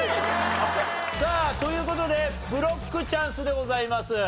さあという事でブロックチャンスでございます。